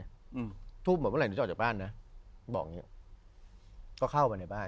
อืมทูบเหมือนเมื่อไหร่หนูจะออกจากบ้านนะบอกอย่างเงี้ยก็เข้าไปในบ้าน